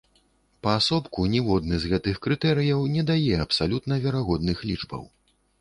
Паасобку, ніводны з гэтых крытэрыяў не дае абсалютна верагодных лічбаў.